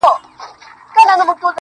د ساغورث سختې قضيې، راته راوبهيدې~